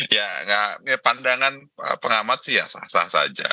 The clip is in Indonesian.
ya pandangan pengamat sih ya sah sah saja